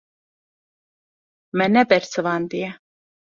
Me nebersivandiye.